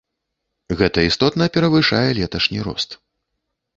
Гэта істотна перавышае леташні рост.